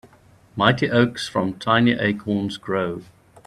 Mighty oaks from tiny acorns grow.